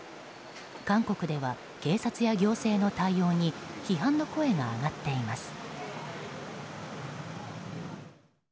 韓国では警察や行政の対応に批判の声が上がっています。